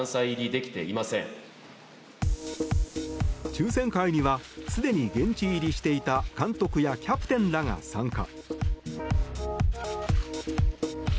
抽選会にはすでに現地入りしていた監督やキャプテンらが参加。